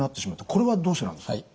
これはどうしてなんですか？